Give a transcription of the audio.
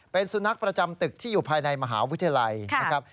เป็นสุนัขประจำตึกที่อยู่ภายในมหาวิทยาลัยนะครับ